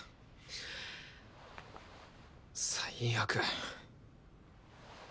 最悪。